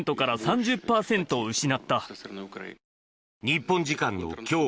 日本時間の今日